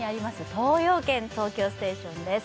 東洋軒東京ステーションです